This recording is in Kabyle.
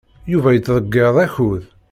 Yuba yettḍeyyiɛ akud.